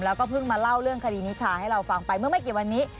แล้วก็เพิ่งมาเล่าเรื่องคดีนิชาให้เราฟังไปเมื่อไม่กี่วันนี้